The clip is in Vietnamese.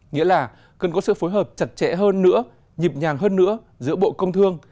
nghĩa là cần có sự phối hợp chặt chẽ hơn nữa nhịp nhàng hơn nữa giữa bộ công thương